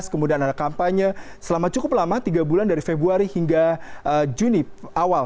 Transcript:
kemudian ada kampanye selama cukup lama tiga bulan dari februari hingga juni awal dua ribu delapan belas